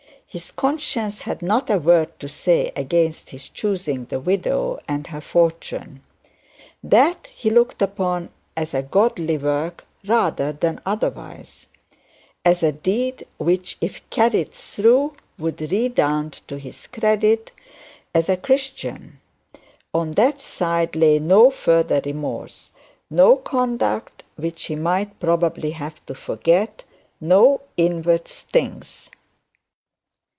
His conscience had not a word to say against his choosing the widow and her fortune. That he looked upon as a godly work rather than otherwise; as a deed which, if carried through, would redound to his credit as a Christian. On that side lay no future remorse, no conduct which he might probably have to forget, no inward stings.